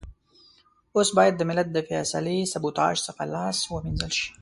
اوس بايد د ملت د فيصلې سبوتاژ څخه لاس و مينځل شي.